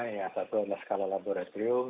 yang satu adalah skala laboratorium